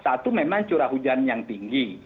satu memang curah hujan yang tinggi